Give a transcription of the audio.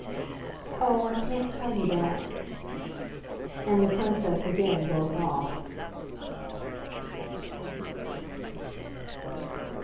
"Oh, I can't tell you that!" And the Princess again broke off.